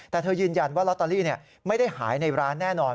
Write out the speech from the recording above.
แต่เธอยืนยันว่าลอตเตอรี่ไม่ได้หายในร้านแน่นอน